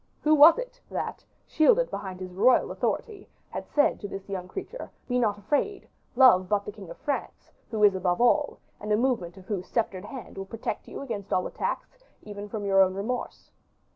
Who was it that, shielded behind his royal authority, had said to this young creature: be not afraid, love but the king of France, who is above all, and a movement of whose sceptered hand will protect you against all attacks, even from your own remorse?